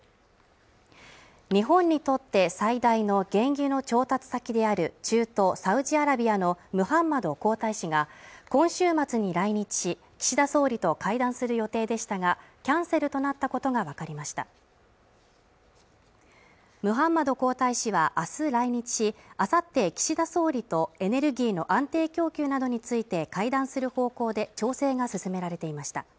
日本にとって最大の原油の調達先である中東サウジアラビアのムハンマド皇太子が今週末に来日し岸田宗理と会談する予定でしたがキャンセルとなったことが分かりましたムハンマド皇太子は明日来日し、あさって岸田総理とエネルギーの安定供給などについて会談する方向で調整が進められていました